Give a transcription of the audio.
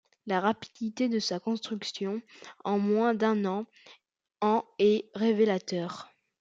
La rapidité de sa construction, en moins d'un an, en est révélateur.